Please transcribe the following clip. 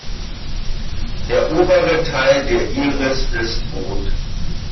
Der obere Teil der Iris ist rot.